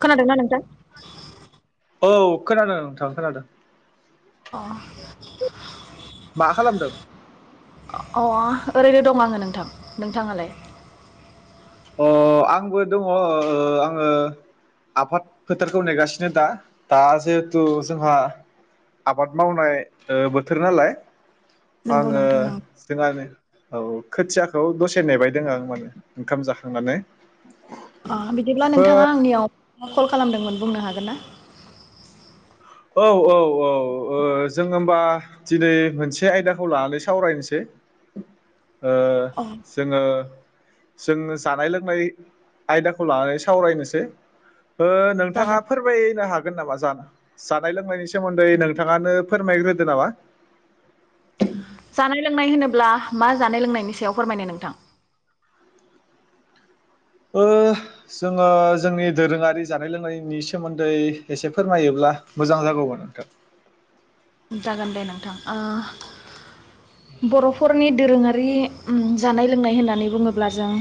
खोनादोंना नोंथां? औ खोनादों नोंथां खोनादों। अ मा खालामदों? अ ओरैनो दं आङो नोंथां नोंथाङालाय? अ आंबो दङ ओ आङो आबाद फोथारखौ नेगासिनो दा दा जिहेथु जोंहा आबाद मावनाय ओ बोथोर नालाय। नंगौ आङो नोंथां नों जोंहानि औ खोथियाखौ दसे नेबायदों आं माने ओंखाम जा खांनानै अ बिदिब्ला नोंथाङा आंनियाव कल खालामदोंमोन बुंनो हागोन ना? औ औ औ ओ जों होमबा दिनै मोनसे आयदाखौ लानानै सावरायनोसै ओ अ जोङो जोङो जानाय लोंनाय आयदाखौ लानानै सावरायनोसै ओ नोंथाङा जागोन फोरमायनो हा हागोन नामा जानो जानाय लोंनायनि सोमोन्दै नोंथाङानो फोरमायग्रोदो नामा। जानाय लोंनाय होनोब्ला मा जानाय लोंनायनि सायाव फोरमायनो नोंथां। ओ जोङो जोंनि दोरोङारि जानाय लोंनायनि सोमोन्दै एसे फोरमायोब्ला मोजां जागौमोन नोंथां। जागोन दे नोंथां ओ। बर'फोरनि दोरोङारि आरि ओम जानाय लोंनाय होननानै बुङोब अब्ला जों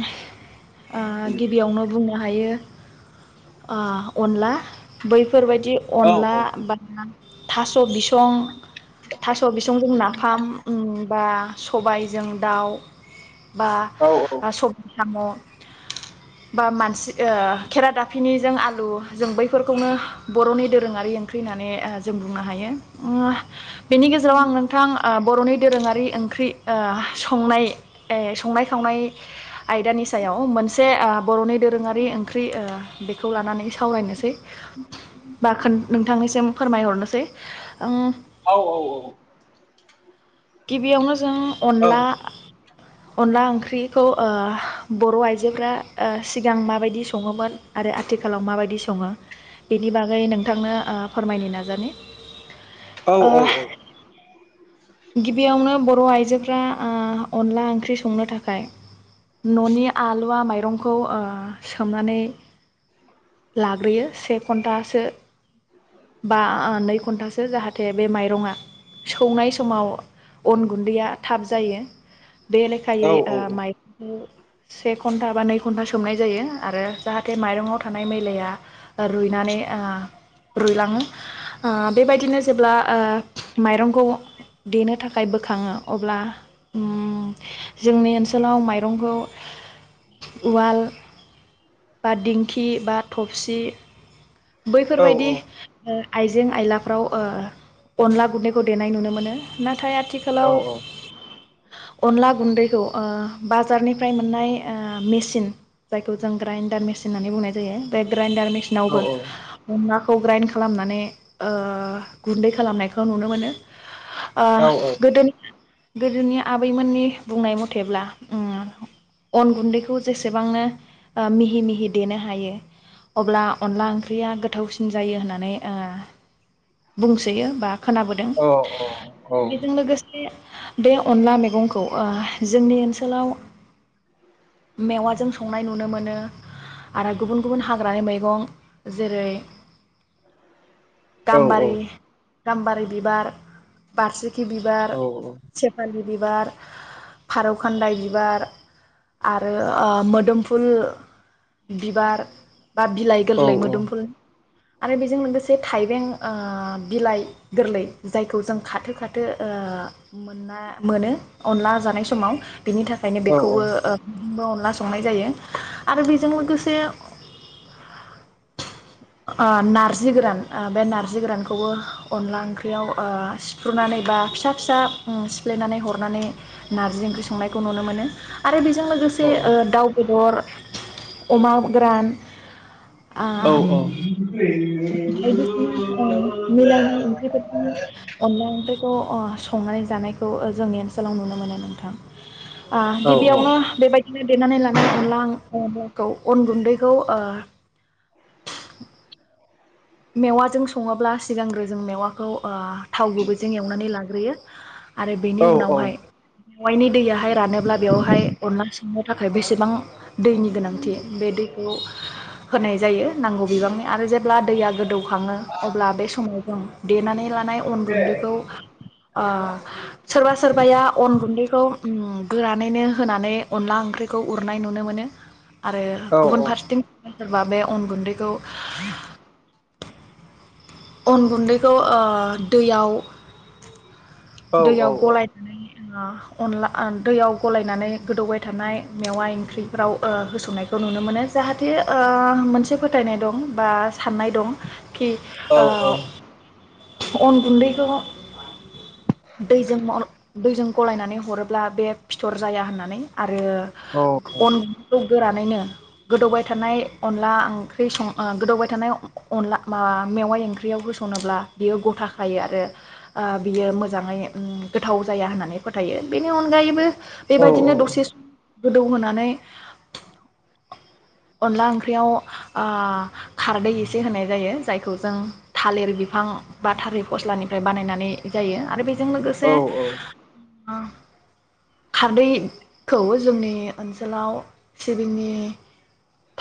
ओ गिबियावनो बुङो नो हायो। ओ अनला बै फोरबायदि औ अनला औ बा थास बिस समं थास' बिसंजों नाफाम उम बा सबायजों दाउ बा औ सब साम' बा मानसि खेराादाफिनिजों आलु जों बैफोरखौनो बर'नि दोरोङारि ओंख्रि होननानै जों बुंनो हायो। ओम बेनि गेजेराव आं नोंथां आ बर'नि दोरोङारि ओंख्रि ओ संनाय संनाय खावनाय आयदानि सायाव मोनसे बर'नि दोरोङारि ओंख्रि ओ बेखौ लानानै सावरायनोसै । ब नोंथांनिसिम फोरमायहरनोसै। ओं औ औ औ गिबियावनो जों औ अनला अनला ओंख्रिखौ ओ बर' आइजोफ्रा ओ सिगां माबायदि सङोमोन आरो आथिखालाव माबायदि सङो? बेनि बागै नोंथांनो ओ फोरमायनि नाजानि। औ ओ औ औ गिबियावनो बर' आइजोफोरा ओ‌ अनला ओंख्रि संनो थाखाय न'नि आलुवा माइरं खौ ओ सोमनानै लाग्रोयो से घन्टासो बा ओ‌ नै घन्टासो जाहाथे बे माइरंआ सौनाय स समाव अन गुन्दैया थाब जायो बे औ लेखायै ओ माइरंखौ से घन्टा बा नै घन्टा सोमनाय जायो आरो जाहाथे माइरंआव थानाय मैलाया रुइनानै ओ रुइलाङो ओ बेबायदिनो जेब्ला ओ माइरंखौ देनो थाखाय बोखाङो अब्ला उम जोंनि ओनसोलाव माइरंखौ उवाल बा दिंखि बा थबसि बैफोर औ बायदि आइजें-आइलाफ्राव ओ अनला गुन्दैखौ देनाय नुनो मोनो। नाथाय आथि औ खालाव अनला गुन्दैखौ ओ बाजारनिफ्राय मोननाय मेसिन जायखौ जों ग्राइन्दार मेसिन होननानै बुंनाय जायो, बे ग्राइन्दार मेसिनावबो अनलाखौ ग्राइन्ड खालामनानै ओ गुन्दै खालामनायखौ नुनो मोनो। ओ औ गोदोनि गोदोनि आबैमोननि बुंनाय मथेब्ला उम अन गुन्दैखौ जेसेबांनो ओ मिहि-मिहि देनो हायो अब्ला अनला ओंख्रि ओंख्रिया गोथावसिन जायो ओ होननानै बुंसोयो बा खोनाबोदों औ औ औ बेजों लोगोसे बे अनला मैगंखौ ओ जोंनि ओनसोलाव मेवाजों संनाय नुनो मोनो आरो गुबुन गुबुन हाग्रानि मैगं जेरै औ औ गाम्बारि गाम्बारि बिबार बासिखि बिबार, सेफालि बिबार, फारौखान्दाय बिबार आरो ओ मोदोमफुल बिबार बा बिलाइ गोरलै मोन मुदुमफुल आरो बेजों लोगोसे थाइबें ओ बिलाइ गोरलै जायखौ जों खाथो खाथो मोनना मोनो अनला जानाय समाव बिनि थाखायनो बेखौबो ओ अनला संनाय जायो आरो बेजों लोगोसे ओ नार्जि गोरान बे नार्जि गोरानखौबो अनला ओंख्रियाव ओ सिफ्रुनानै बा फिसा-फिसा सिफ्लेनानै हरनानै नार्जि ओंख्रि संनायखौ नुनो मोनो आरो बेजों बेजों लोगोसे ओ दाउ बेदर अमा गोरान ओ औ औ बायदिसिना ओ मिलायनाय ओंख्रिफोरखौ अनला बेखौ अह संनानै जानायखौ जोंनि ओनसोलाव नुनो मोनो नोंथां । ओ गिबियावनो बेबायदिनो देनानै लानाय अनला खौ अन गुन्दैखौ ओह मेवाजों सङाब्ला सिगांग्रो जों मेवाखौ ओह थाव गुबबोजों एवनानै लाग्रोयो [unintelligible] आरो बेनि औ औ उनावहाय मेवाइनि दैयहाय रानोब्ला बेवहाय अनला थांनो थाखाय बेसेबां दैनि गोनांथि बे दैखौ होनाय जायो नांगौ बिबांनि आरो जेब्ला दै गोदौखाङो अब्ला बे समाव आं देनानै ला अन औ गुन्दैखौ ओ सोरबा सोरबाया अन गुन्दैखौ उम गोरानैनो होनानै अनला ओंख्रिखौ उरनाय नुनो मोनो आरो गुबुन औ फारसेथिं सोरबा सोरबा बे अन गुन्दैखौ [unintelligible] अन गुन्दैखौ ओह दैयाव दैयाव गलायनानै अनला दैयाव गलायनानै गोदौबाय थानाय मेवाइ ओंख्रिफ्राव ओह होसंनायखौ नुनो मोनो जाहाथे ओह मोनसे फोथायनाय दं बा साननाय दं खि औ ओ औ अन गुन्दैखौ दैजों मन दैजों गलायनानै हरोब्ला बे फिथर जाया होननानै आरो आरो अन गुनदैखौ गोरा [unintelligible] गौदौबाय थानाय अन्ला ओंख्रि सं ओ गोदौबाय थानाय अन्ला मेवाइ ओंख्रियाव होसनोब्ला बियो गथा हायो आरो बियो मोजाङै उम गोथाव जाया होननानै फोथायो बेनि अनगायैबो बेबायदिनो दसे गोदौहोनानै अनला ओंख्रियाव ओ खारदै एसे होनाय जायो जायखौ जों थालिर बिफां बा थालिर फस्लानिफ्राय बानायनानै जायो आरो बे बेजों लोगोसे खारदैखौ जोंनि ओनसोलाव सिबिंनि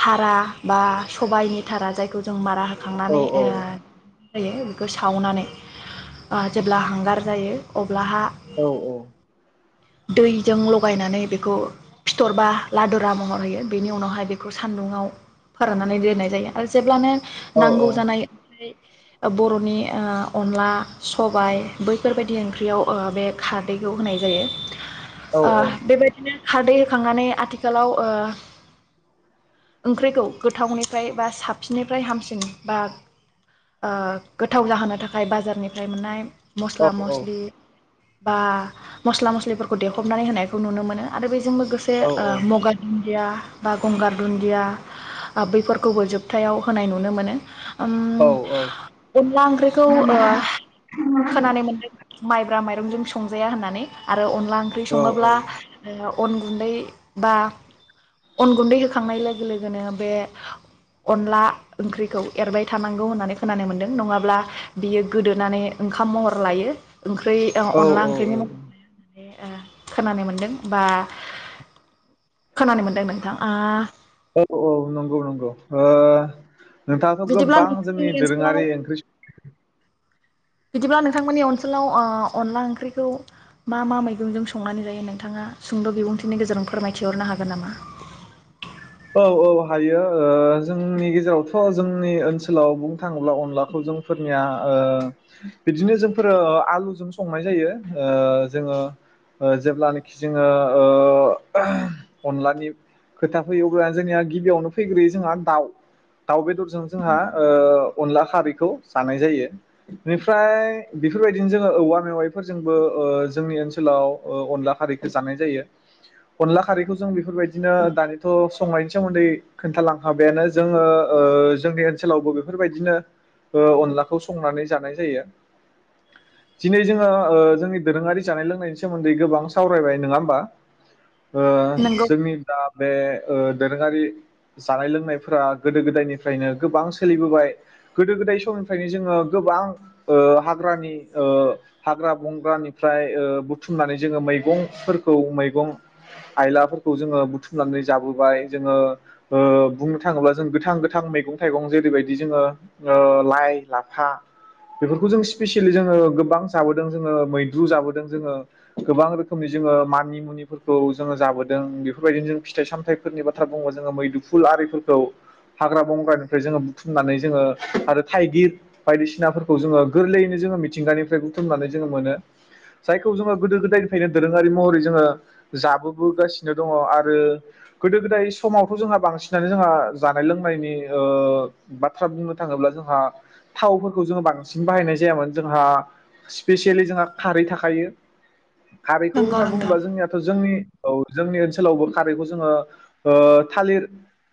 धारा बा सबायनि धारा जायखौ जों मारा होना होखांनानै ओ जायो बेखौ सावनानै ओ जेब्ला हांगार जायो अ औ औ दैजों लगायनानै बेखौ फिथरबा लादुरा महर होयो बेनि उनावहाय बे खौ सान्दुंङाव फोराननानै दोननाय जायो आरो जेब्लानो नांगौ जानाय ओमफ्राय बर'नि ओ अनला सबाय बैफोरबायदि ओंख्रियाव ओ बे खारदैखौ होनाय जायो आ बेबायदिनो खारदै होखांनानै आथिखालाव ओ ओंख्रिखौ गोथावनिफ्राय बा साबसिननिफ्राय हामसिन बा ओ गोथाव जाहोनो थाखाय बाजारनिफ्राय मोननाय मस्ला मस्लि। बा मस्ला मस्लिफोरखौ देख्रुबनानै होनायखौ नुनो मोनो आरो बे जों लोगोसे ओ मगानि दुदिया बा गंगार दुन्दिया बैफोरखौबो जोबथायाव होनाय नुनो मोनो। उम अनला ओंख्रिखौ ओ खोननो मोनदों माइ माब्ला मायरंजों संजाया होननानै आरो अन ला ओंख्रि सङोब्ला जों अन गुन्दै बा अन गुन्दै होखा खांनाय लोगो लोगोनो बे अनला ओंख्रिखौ एरबाय थानांगौ होननानै खोनानो मोन्दों नङाब्ला बियो गोदोनानै ओंखाम महर लायो। ओंख्रि ओ औ अनला औ ओंख्रिनि महर ए ओ खोनानो मोनदों बा खोनानो मोनदों नोंथाङा आ। औ औ नंगौ नंगौ ओ नोंथाङाथ' बिदिब्ला गोबां जोंनि नोंथांमोननि ओनसोलाव दोरोङारि ओंख्रि स बिदिब्ला नोंथांमोननि ओनसोलाव ओ अनला ओंख्रिखौ मा मा मैगंजों संनानै जायो नोंथाङा सुंद' बिबुंथिनि गेजेरजों फोरमायथिहरनो हागोन नामा? औ औ हायो ओ जोंनि गेजेरावथ' जोंनि ओनसोलाव बुंनो थाङोब्ला अनलाखौ जोंफोरनिया ओ बिदिनो जोंफोरो आलुजों संनाय जायो ओ जोङो जेब्लानोखि जोङो ओ अनलानि खोथा फैयो अब्ला जोंनिया गिबियावनो फैग्रोयो जोंहा दाउ दाउ बेदरजों जोंहा ओ अनला खारैखौ जानाय जायो बेनिफ्राय बेफोरबायदिनो जोङो औवा मेवाइफोरजोंबो ओ जोंनि ओ ओनसोलाव अनला खारैखौ जानाय जायो अनला खारैखौ जों बेफोरबायदिनो दानि संनायनि सोमोन्दै खोन्थालांखाबायानो जोङो ओ जोंनि ओनसोलावबो बेफोरबायदिनो अनलाखौ संनानै जानाय जायो। दिनै जोङो ओ जोंनि दोरोङारि जानाय लोंनायनि सोमोन्दै गोबां सावरायबाय नङा होमबा। ओ नंगौ जोंनि दाब बे ओ दोरोङारि जानाय लोंनायफोरा गोदो गोदायनिफ्रायनो गोबां सोलिबोबाय गोदो गोदाय समनिफ्रायनो जोङो गोबां ओ हाग्रानि ओ हाग्रा बंग्रानिफ्राय ओ बुथुमनानै जोङो मैगंफोरखौ मैगं आयलाफोरखौ जोङो बुथु फोनानै जाबोबाय जोङो ओ बुंनो थाङोब्ला जों गोथां गोथां मैगं थाइगं जेरैबायदि जोङो ओ लाइ लाफा बेफोरखौ जों स्पेसियेलि जोङो गोबां जाबोदों जोङो मैद्रु जाबोदों जोङो गोबां रोखोमनि जोङो मानि मुनिफोरखौ जोङो जाबोदों बेफोरबायदिनो । फिथाइ सामथायाइफोरनि बाथ्रा बुङो जोङो मैदुफुल आरिफोरखौ हाग्रा बंग्रानिफ्राय जोङो बुथुमनानै जोङो आरो थाइगिर बायदिसिनाफोरखौ जोङो गोरलैयैनो जोङो मिथिंगानिफ्राय बुथुमनानै जोङो मोनो जायखौ जोङो गोदो गोदायनिफ्रायनो दोरोङारि महरै जोङो जाबोबोगासिनो दङ ।आरो गोदो गोदाय समावथ' जोंहा बांसिनानो जोंहा जानाय लोंनायनि ओ बाथ्रा बुंनो थाङोब्ला जोंहा थावफोरखौ जोंङ बांसिन बाहायनाय जायामोन जोंहा स्पेसियेलि जोंहा खारै थाखायो। खारैखौ नंगौ होनना नोंथां बुङोब्ला जोंनियाथ' जोंनि औ जोंनि ओनसोलावबो खारैखौ जोङो ओ थालिर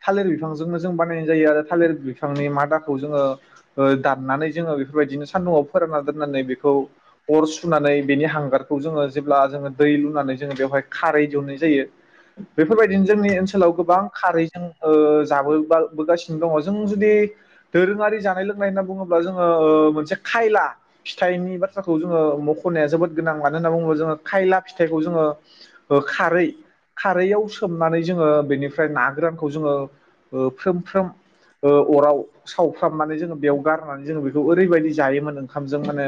थालिर बिफांजोंनो जों बानायनाय जायो आरो थालिर बिफांनि मादाखौ जोङो ओ दाननानै जोङो बेफोरबायदिनो सान्दुंआव फोरानना दोननानै बेखौ अर सुनानै बेनि हांगारखौ जोङो जेब्ला जोङो दै लुनानै जोङो बेवहाय खारै दिहुनाय जायो। बेफोरबायदिनो जोंनि ओनसोलाव गोबां खारै जों ओ जाबोबाबोगासिनो दङ जों जुदि दोरोङारि जानाय लोंनाय होनना बुङोब्ला जोङो ओ मोनसे खायला फिथाइनि बाथ्राखौ जोङो मख'नाया जोबोद गोनां मानो होनना बुङोब्ला जोङो खायला फिथाइखौ जोङो ओ खारै खारैयाव सोमनानै जोङो बेनिफ्राय ना गोरानखौ जोङो ओ फ्रोम फ्रोम ओ अराव सावफ्रामनानै जोङो बेयाव गारनानै जोङो बेखौ ओरैबादि जायो माने ओंखामजों माने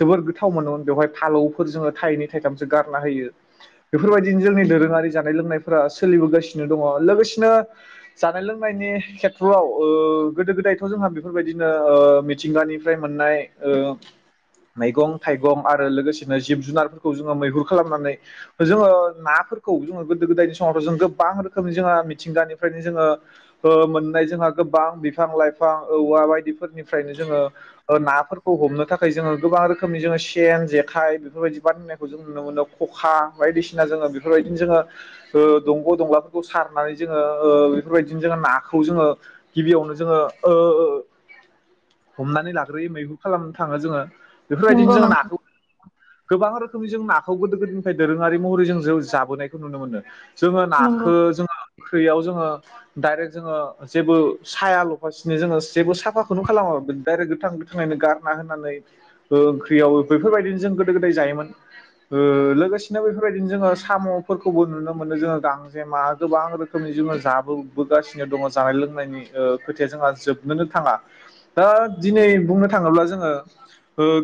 जोबोर गोथाव मोनो बेयावहाय फालौखौ जोङो थायनै थायथामसो गारना होयो। बेफोर बायदिनो जोंनि दोरोङारि जानाय लोनायफोर फोरा सोलिबोगासिनो दङ ।लोगोसेनो जानाय लोंनायनि खेथ्रआव ओ गोदो गोदायथ' जोंहा बेफोरबायदिनो ओ मिथिंगानिफ्राय मोननाय ओ मैगं थाइगं आरो लोगोसेनो जिब जुनारफोरखौ जोङो मैहुर खालामनानै जोङो नाफोरखौ जोङो गोदो गोदायनि स समावथ जों गोबां रोखोमनि जोंहा मिथिंगानिफ्रायनो जोङो ओ मोननाय जोंहा गोबां बिफां लाइफां औवा बायदि फोरनिफ्रायनो जोङो नाफोरखौ हमनो थाखाय जोङो गोबां रोखोमनि जोङो सेन जेखाइ बेफोरबायदि बानायनायखौ जों नुनो मोनो खखा बायदिसिना जोङो बेफोरबायदिनो जोङो ओ दंग' दंलाफोरखौ सारनानै जोङो ओ बेफोरबायदिनो जोङो नाखौ जोङो गिबियावनो जोङो ओ हमनानै लाग्रोयो मैहुर खालामनो थाङो जोङो नंगौ बेफोरबायदिनो जों नोंथां नाखौ गोबां रोखोमनि जों नाखौ गोदो गोदायनिफ्राय दोरोङारि महरै जों जाबोनायखौ नुनो मोनो। जोङो नंगौ नाखो जोङो ओंख्रियाव जोङो डायरेक्ट जोङो जेबो साया लफासिनो जोङो जेबो साफाखौनो खालामो दायरेक गोथां गोथाङैनो गारना होनानै ओंख्रियाव बेफोरबायदिनो जों गोदो गोदाय जायोमोन। ओ लोगोसेनो बेफोरबायदिनो जोङो साम'फोरखौबो नुनो मोनो जोङो गांजेमा गोबां रोखोमनि जोङो जाबोबोगासिनो दङ जानाय लोंनायनि खोथाया जोंहा जोबनोनो थाङा दा दिनै बुंनो थाङोब्ला जोङो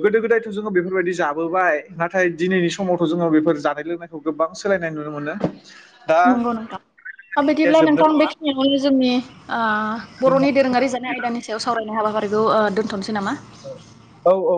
गोदो गोदायथ' जोङो बेफोरबायदि जाबोबाय नाथाय दिनैनि समावथ' जोङो बेफोर जानाय लोंनायखौ गोबां सोलायनाय नुनो मोनो। [inaudible] नंगौ नोंथां। बिदिब्ला जोबनो नोंथां बेखिनियावनो जोंनि आ बर'नि दोरोङारि जानाय आयदानि सायाव सावरायनो हाबा बेखौ आ थ'नोसै नामा? औ औ